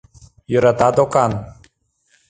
— Йӧрата докан.